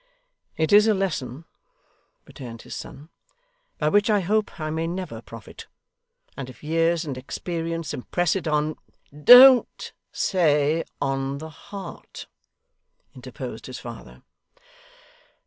'It is a lesson,' returned his son, 'by which I hope I may never profit, and if years and experience impress it on ' 'Don't say on the heart,' interposed his father.